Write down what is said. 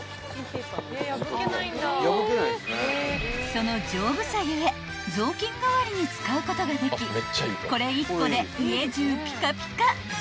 ［その丈夫さ故雑巾代わりに使うことができこれ１個で家中ピカピカ］